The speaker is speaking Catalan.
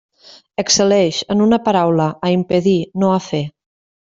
Excel·leix, en una paraula, a impedir, no a fer.